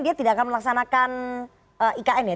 dia tidak akan melaksanakan ikn ya